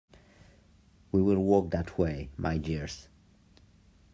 We will walk that way, my dears.